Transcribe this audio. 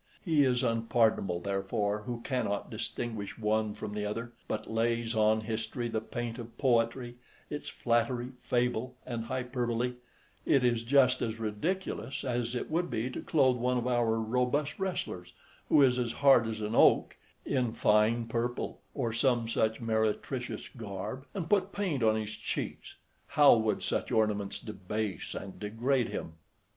He is unpardonable, therefore, who cannot distinguish one from the other; but lays on history the paint of poetry, its flattery, fable, and hyperbole: it is just as ridiculous as it would be to clothe one of our robust wrestlers, who is as hard as an oak, in fine purple, or some such meretricious garb, and put paint on his cheeks; how would such ornaments debase and degrade him!